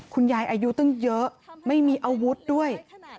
คุณยายอายุตึงเยอะไม่มีอาวุธด้วย